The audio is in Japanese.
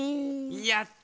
やった！